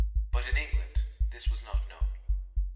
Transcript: But in England this was not known.